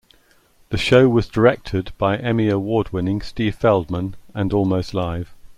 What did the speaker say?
The show was directed by Emmy Award-winning, Steve Feldman and Almost Live!